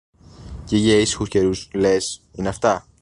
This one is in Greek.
Και για ήσυχους καιρούς, λες, είναι αυτά;